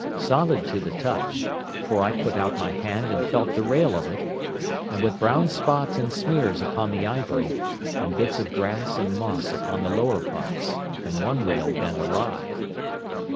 Solid to the touch—for I put out my hand and felt the rail of it—and with brown spots and smears upon the ivory, and bits of grass and moss upon the lower parts, and one rail bent awry.